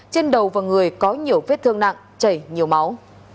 trên đầu và người có nhiều vết thương nặng chảy nhiều máu